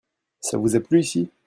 Ça vous a plu ici ?